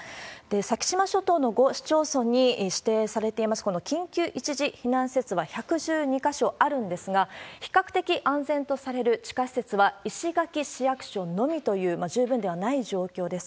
先島諸島の５市町村に指定されています、この緊急一時避難施設は１１２か所あるんですが、比較的安全とされる地下施設は、石垣市役所のみという、十分ではない状況です。